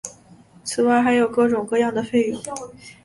此外还有各种各样的费用。